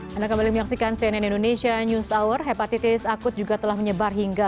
hai anak anak menyaksikan cnn indonesia news hour hepatitis akut juga telah menyebar hingga